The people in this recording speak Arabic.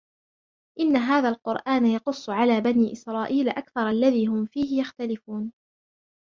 إن هذا القرآن يقص على بني إسرائيل أكثر الذي هم فيه يختلفون